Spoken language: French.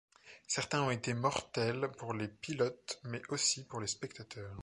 Certains ont été mortels pour les pilotes, mais aussi pour les spectateurs.